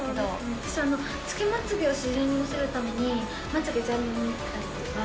私、つけまつげを自然に見せるために、まつ毛全部抜いたりとか。